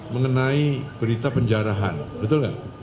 mengenai berita penjarahan betul nggak